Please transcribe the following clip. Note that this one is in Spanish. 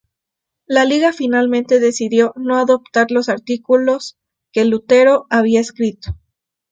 La liga finalmente decidió no adoptar los artículos que Lutero había escrito.